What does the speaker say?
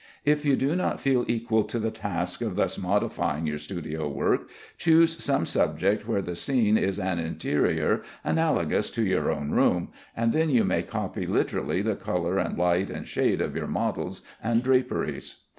If you do not feel equal to the task of thus modifying your studio work, choose some subject where the scene is an interior, analogous to your own room, and then you may copy literally the color and light and shade of your models and draperies.